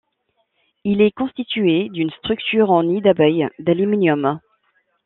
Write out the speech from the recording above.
Il est constitué d'une structure en nid d'abeilles d'aluminium.